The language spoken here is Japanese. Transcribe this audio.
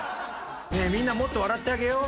「みんなもっと笑ってあげよう」。